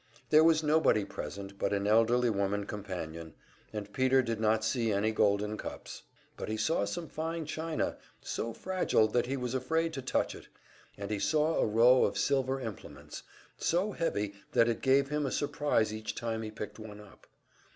There was nobody present but an elderly woman companion, and Peter did not see any golden cups. But he saw some fine china, so fragile that he was afraid to touch it, and he saw a row of silver implements, so heavy that it gave him a surprise each time he picked one up.